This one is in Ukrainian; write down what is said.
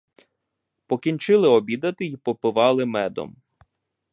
Покінчили обідати й попивали медом.